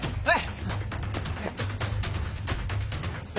はい！